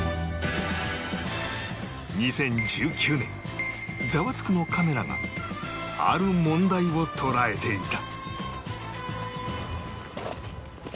２０１９年『ザワつく！』のカメラがある問題を捉えていた